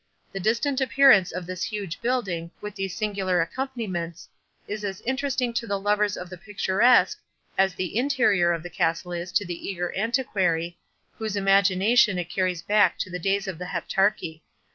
The distant appearance of this huge building, with these singular accompaniments, is as interesting to the lovers of the picturesque, as the interior of the castle is to the eager antiquary, whose imagination it carries back to the days of the Heptarchy.